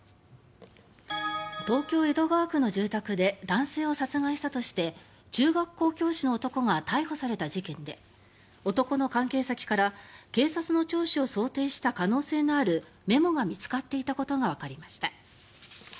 東京・江戸川区の住宅で男性を殺害したとして中学校教師の男が逮捕された事件で男の関係先から警察の聴取を想定した可能性のあるメモが見つかっていたことがわかりました。